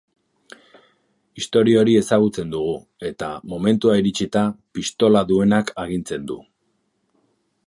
Istorio hori ezagutzen dugu eta momentua iritsita, pistola duenak agintzen du.